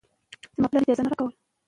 په ښوونځیو کې نظم او ډسپلین ډېر مهم دی.